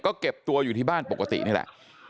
ก็เก็บตัวอยู่ที่บ้านปกตินี่แหละ